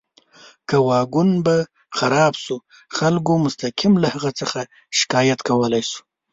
که واګون به خراب شو، خلکو مستقیم له هغه څخه شکایت کولی شو.